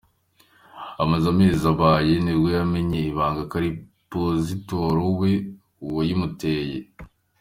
Amaze amezi abyaye nibwo yamennye ibanga ko ari Pasitoro we wayimuteye.